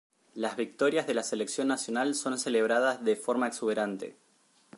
Las victorias de la selección nacional son celebradas de forma exuberante.